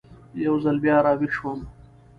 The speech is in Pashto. یو ځل بیا را ویښ شوم.